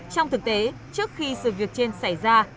trong thực tế trước khi sự việc trên xảy ra